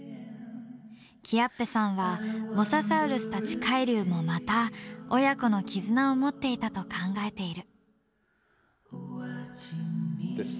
キアッペさんはモササウルスたち海竜もまた親子の絆を持っていたと考えている。